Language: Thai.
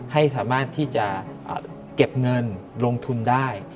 ให้สามารถที่จะเก็บเงินลงทุนได้